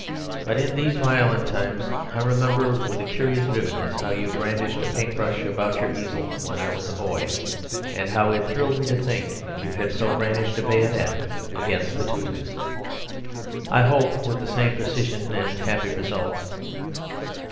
But in these violent times I remember with a curious vividness how you brandished a paintbrush about your easel when I was a boy; and how it thrilled me to think that you had so brandished a bayonet against the Teutons I hope with the same precision and happy results.